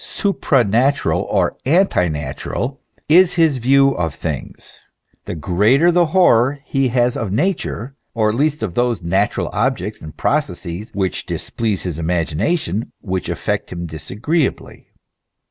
supranatural, or antinatural, is his view of things, the greater the horror he has of Nature, or at least of those na tural objects and processes which displease his imagination, which affect him disagreeably.